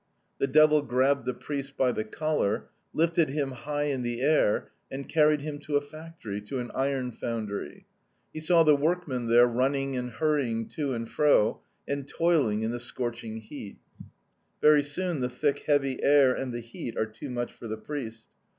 "The devil grabbed the priest by the collar, lifted him high in the air, and carried him to a factory, to an iron foundry. He saw the workmen there running and hurrying to and fro, and toiling in the scorching heat. Very soon the thick, heavy air and the heat are too much for the priest.